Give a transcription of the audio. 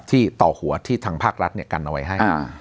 ที่ต่อหัวที่ทางภาครัฐกันเอาไว้ให้